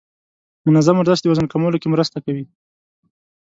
منظم ورزش د وزن کمولو کې مرسته کوي.